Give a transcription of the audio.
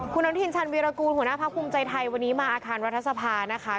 คุณอนุทินชันวิรกูหนาพพุมใจไทยวันนี้มาอาคารวัทธศพานะคะ